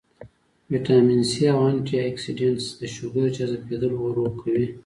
وټامن سي او انټي اکسيډنټس د شوګر جذب کېدل ورو کوي